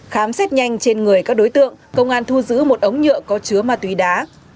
khám xét nhanh trên người các đối tượng công an thu giữ một ống nhựa có chứa ma túy đá